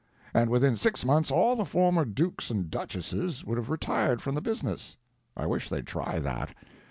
And within six months all the former dukes and duchesses would have retired from the business. I wish they'd try that.